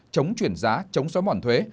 chống chuyển giá chống xóa mỏn thuế